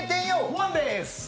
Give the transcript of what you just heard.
ワンでーす。